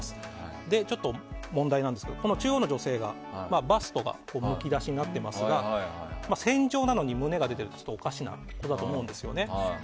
ここで問題なんですが中央の女性がバストがむき出しになってますが戦場なのに胸が出てるおかしな絵だと思うんですよね。